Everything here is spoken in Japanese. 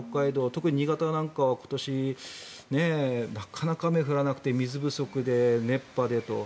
特に新潟なんかは今年、なかなか雨が降らなくて水不足で熱波でと。